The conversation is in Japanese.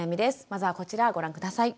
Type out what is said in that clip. まずはこちらご覧下さい。